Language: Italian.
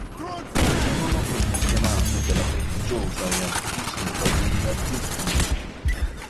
Furono commissionati dalla prestigiosa e antichissima famiglia Giustinian.